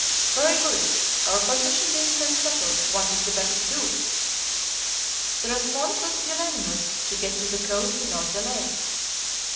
"Very good. Our position being then settled, what is best to do?" The response was unanimous to get to the coast without delay.